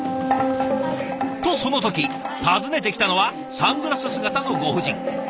とその時訪ねてきたのはサングラス姿のご婦人。